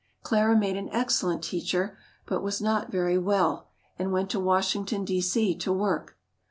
Clara made an excellent teacher, but was not very well and went to Washington, D.C., to work.